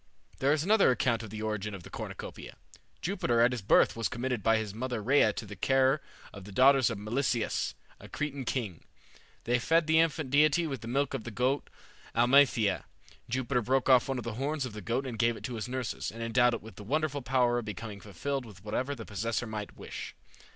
There is another account of the origin of the Cornucopia. Jupiter at his birth was committed by his mother Rhea to the care of the daughters of Melisseus, a Cretan king. They fed the infant deity with the milk of the goat Amalthea. Jupiter broke off one of the horns of the goat and gave it to his nurses, and endowed it with the wonderful power of becoming filled with whatever the possessor might wish.